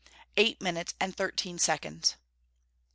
_ Eight minutes and thirteen seconds.